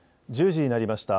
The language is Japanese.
１０時になりました。